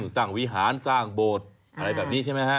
วิหารสร้างโบสถ์อะไรแบบนี้ใช่ไหมฮะ